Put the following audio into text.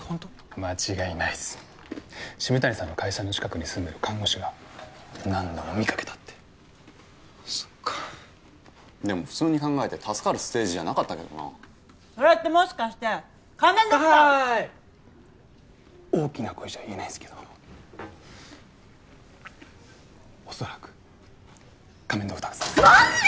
間違いないっす渋谷さんの会社の近くに住んでる看護師が何度も見かけたってそっかでも普通に考えて助かるステージじゃなかったけどなそれってもしかして仮面ドクターははい大きな声じゃ言えないんすけど恐らく仮面ドクターズマジで！？